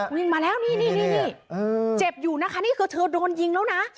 วิ่งมาแล้วนี่นี่เจ็บอยู่นะคะนี่คือเธอโดนยิงแล้วนะ